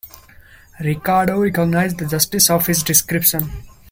Ricardo recognised the justice of his description.